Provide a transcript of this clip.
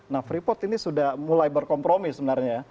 nah freeport ini sudah mulai berkompromi sebenarnya ya